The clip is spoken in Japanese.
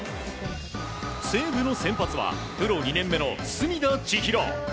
西武の先発はプロ２年目の隅田知一郎。